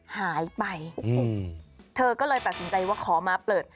หายไปโอ้โหเธอก็เลยตัดสินใจว่าขอมาเปิด